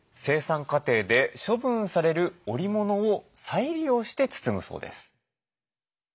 生産過程で処分される織物を再利用して包むそうです。